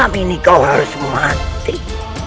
apa yang dilakukan